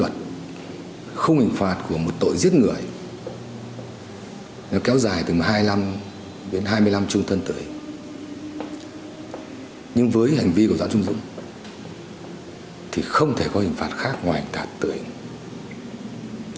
doãn trung dũng thì không thể có hình phạt khác ngoài hình thạt tử hình